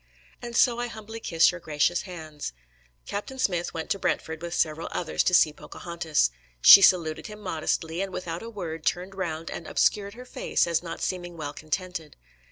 And so I humbly kiss your gracious hands. Captain Smith went to Brentford with several others to see Pocahontas. She saluted him modestly, and without a word turned round and "obscured her face as not seeming well contented."